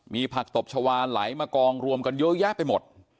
มีผักตบชาวาไหลมากองรวมกันเยอะแยะไปหมด